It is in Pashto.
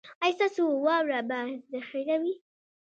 ایا ستاسو واوره به ذخیره وي؟